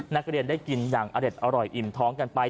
นักเรียนได้กินอย่างอเด็ดอร่อยอิ่มท้องกันไป